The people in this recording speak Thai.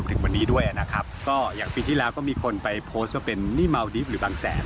ถึงวันนี้ด้วยนะครับก็อย่างปีที่แล้วก็มีคนไปโพสต์ว่าเป็นนี่เมาดิฟต์หรือบางแสน